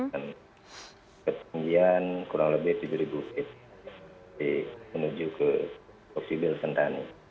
dengan ketinggian kurang lebih tujuh feet menuju ke oksibil sentani